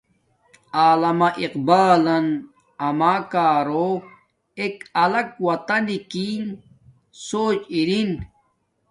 علامہ اقبالن اما کارو ایک الگ وطنک کی سوچ ارین